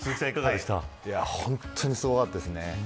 本当にすごかったですね。